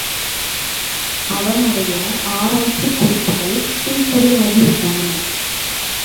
அவனுடைய ஆராய்ச்சிக் குறிப்புகள் தீக்கிரையாகி விட்டன.